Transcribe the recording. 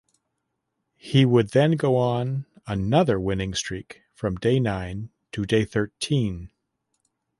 He would then go on another winning streak from day nine to day thirteen.